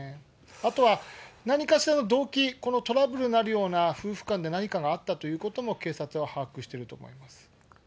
あとは何かしらの動機、このトラブルになるような夫婦間で何かがあったということも、警察は把握してると思います。